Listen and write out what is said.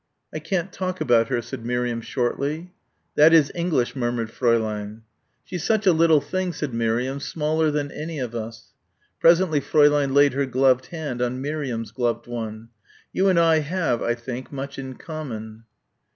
"I can't talk about her," said Miriam shortly. "That is English," murmured Fräulein. "She's such a little thing," said Miriam, "smaller than any of us." Presently Fräulein laid her gloved hand on Miriam's gloved one. "You and I have, I think, much in common."